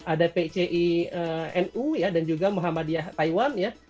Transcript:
ada pcinu ya dan juga muhammadiyah taiwan ya